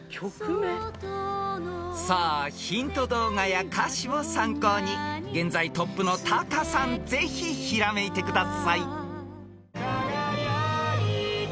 ［さあヒント動画や歌詞を参考に現在トップのタカさんぜひひらめいてください］